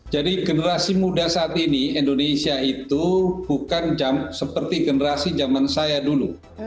jadi generasi muda saat ini indonesia itu bukan seperti generasi jaman saya dulu